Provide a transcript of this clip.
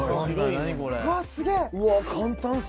うわすげぇ。